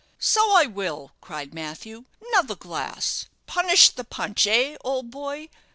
"So I will," cried Matthew; "'nother glass punish the punch eh old boy?